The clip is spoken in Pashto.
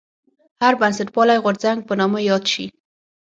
هر بنسټپالی غورځنګ په نامه یاد شي.